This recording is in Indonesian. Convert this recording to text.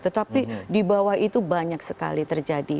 tetapi di bawah itu banyak sekali terjadi